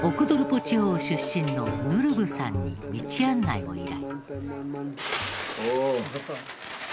奥ドルポ地方出身のヌルブさんに道案内を依頼。